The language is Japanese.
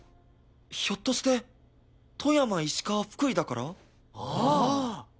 ひょっとして富山石川福井だから？ああ！